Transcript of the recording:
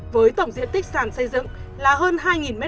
với tổng diện tích sàn xây dựng là hơn hai m hai